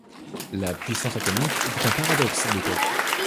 La puissance atomique était un paradoxe à l'époque.